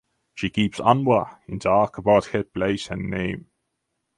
She keeps Anwar in dark about her place and name.